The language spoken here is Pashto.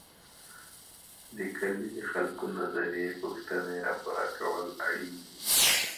د کلي د خلګو نظري پوښتني راپور کول اړیني دي.